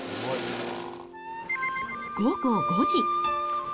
午後５時。